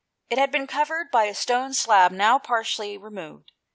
It had been covered by a stone slab, now partially removed.